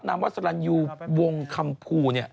น้ำวัสลันยูวงคำพู